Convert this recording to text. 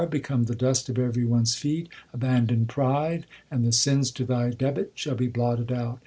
Become the dust of every one s feet ; Abandon pride, and the sins to thy debit shall be blotted out.